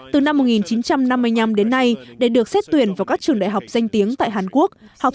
một mươi một từ năm một nghìn chín trăm năm mươi năm đến nay để được xét tuyển vào các trường đại học danh tiếng tại hàn quốc học